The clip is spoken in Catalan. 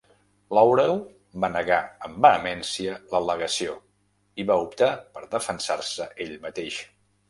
Laurel va negar amb vehemència l'al·legació i va optar per defensar-se ell mateix.